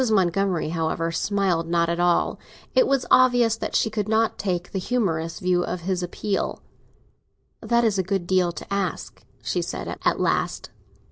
Montgomery, however, smiled not at all; it was obvious that she could not take the humorous view of his appeal. "That is a good deal to ask," she said at last.